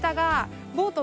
ボート？